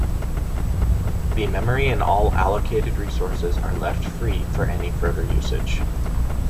The memory and all allocated resources are left free for any further usage.